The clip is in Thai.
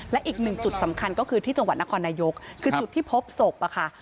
และอีกหนึ่งจุดสำคัญก็คือที่จังหวัดนครนายกคือจุดที่พบศพอะค่ะ